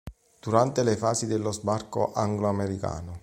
Durante le fasi dello sbarco anglo-americano.